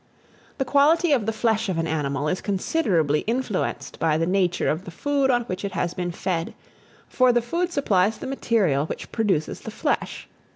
THE QUALITY OF THE FLESH OF AN ANIMAL is considerably influenced by the nature of the food on which it has been fed; for the food supplies the material which produces the flesh.